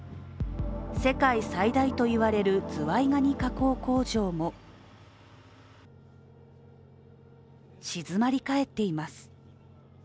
世界最大といわれるズワイガニ加工工場も静まりかえっています。